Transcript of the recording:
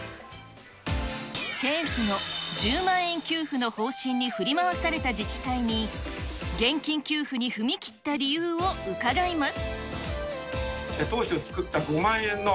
政府の１０万円給付の方針に振り回された自治体に、現金給付に踏み切った理由を伺います。